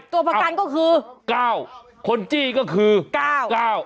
ตัวประกันก็คือเก้าคนจี้ก็คือเก้าเก้า